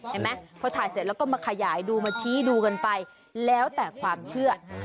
เห็นไหมพอถ่ายเสร็จแล้วก็มาขยายดูมาชี้ดูกันไปแล้วแต่ความเชื่อ